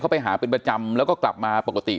ไปหาเป็นประจำแล้วก็กลับมาปกติ